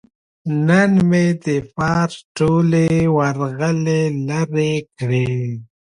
نن مې د فرش ټولې ورغلې لرې کړې.